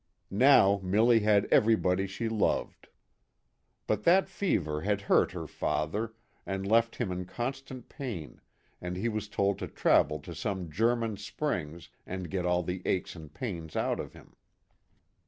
Now Milly had everybody she loved. But that fever had hurt her father and left him in constant pain, and he was told to travel to some German springs and get all the aches and pains out of him.